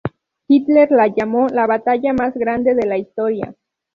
Hitler la llamó la batalla más grande de la historia.